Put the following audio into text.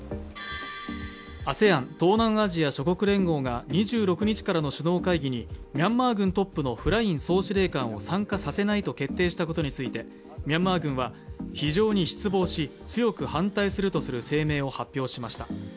ＡＳＥＡＮ＝東南アジア諸国連合が２６日からの首脳会議にミャンマー軍トップのフライン総司令官を参加させないと決定したことについて、ミャンマー軍は非常に失望し強く反対するとする声明を発表しました。